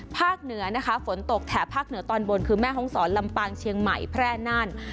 เหนือนะคะฝนตกแถบภาคเหนือตอนบนคือแม่ห้องศรลำปางเชียงใหม่แพร่นั่น